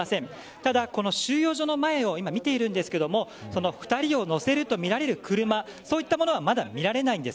ただ、この収容所の前を今、見ているんですが２人を乗せるとみられる車そういったものはまだ見られないんです。